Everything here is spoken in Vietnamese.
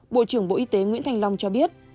bộ trưởng bộ y tế nguyễn thành long cho biết